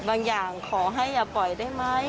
อย่างขอให้อย่าปล่อยได้ไหม